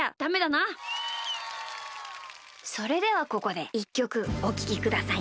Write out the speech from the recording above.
それではここで１きょくおききください。